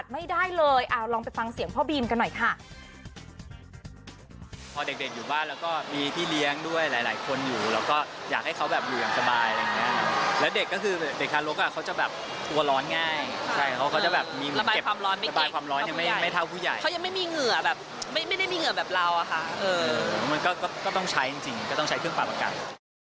คือเด็กธระโรคเค้าจะกลัวร้อนง่ายโจ๊กดินก็สำหรับแบบรำบายความร้อนไม่เท่าผู้ใหญ่เค้ายังไม่มีเหงื่อแบบเราก็ต้องใช้การใช้เครื่องปรับอากาศ